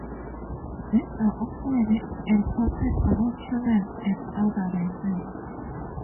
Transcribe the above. These are often encountered among humans and other races.